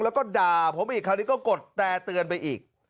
แล้วก็ด่าผมอีกคราวนี้ก็กดแตรเตือนไปอีก